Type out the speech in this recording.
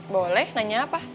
boleh nanya apa